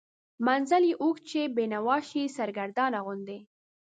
منزل یې اوږد شي، بینوا شي، سرګردانه غوندې